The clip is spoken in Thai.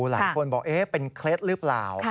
หลายคนบอกเป็นเคล็ดหรือเปล่า